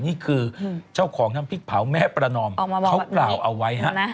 นี่คือเจ้าของน้ำพริกเผาแม่ประนอมเขากล่าวเอาไว้ฮะ